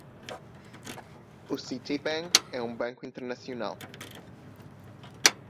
Citibank é um banco internacional.